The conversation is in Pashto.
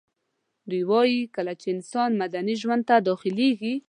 دوی وايي کله چي انسان مدني ژوند ته داخليږي